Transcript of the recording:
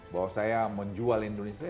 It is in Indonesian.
bahwa saya menjual indonesia